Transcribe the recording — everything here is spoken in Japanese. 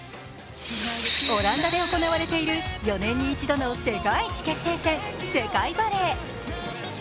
オランダで行われている４年に一度の世界一決定戦、世界バレー。